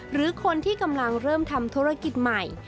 หรือคนที่กำลังเริ่มทำธุรกิจใหม่